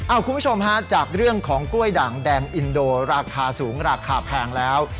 คุณผู้ชมฮะจากเรื่องของกล้วยด่างแดงอินโดราคาสูงราคาแพงแล้ว